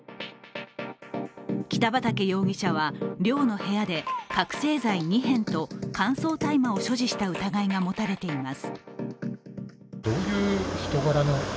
北畠容疑者は、寮の部屋で覚醒剤２片と乾燥大麻を所持した疑いが持たれています。